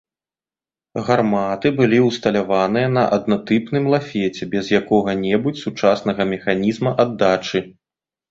Гарматы былі ўсталяваныя на аднатыпным лафеце, без якога-небудзь сучаснага механізма аддачы.